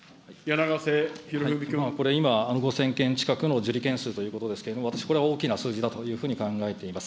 これ今、５０００件近くの受理件数ということですけれども、私これは大きな数字だというふうに考えております。